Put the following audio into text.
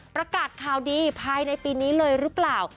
ประกาศข่าวดีภายในปีนี้เลยหรือเปล่า